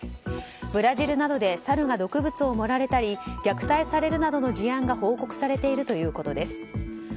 ブラジルなどでサルに毒物が盛られたり虐待されるなどの事案が報告されているということです。